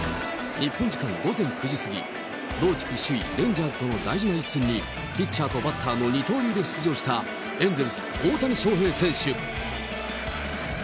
日本時間午前９時過ぎ、同地区首位、レンジャーズとの大事な一戦に、ピッチャーとバッターの二刀流で出場した、エンゼルス、大谷翔平選手。